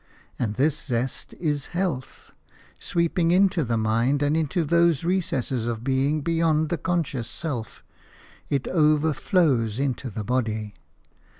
And this zest is health: sweeping into the mind and into those recesses of being beyond the conscious self, it overflows into the body.